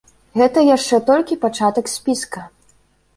Гэта яшчэ толькі пачатак спіска.